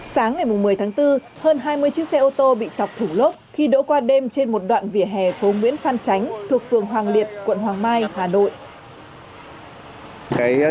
sáng ngày một mươi tháng bốn hơn hai mươi chiếc xe ô tô bị chọc thủ lốp khi đỗ qua đêm trên một đoạn vỉa hè phố nguyễn phan tránh thuộc phường hoàng liệt quận hoàng mai hà nội